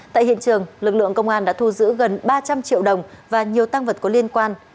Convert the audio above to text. tại hiện trường lực lượng công an đã thu giữ gần ba trăm linh triệu đồng và nhiều tăng vật có liên quan